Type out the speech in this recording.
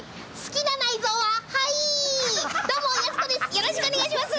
よろしくお願いします。